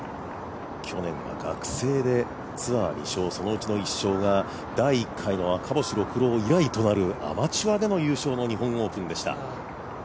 去年は学生でツアー２勝そのうちの１勝が第１回以来となる、アマチュアでの優勝の日本オープンでした。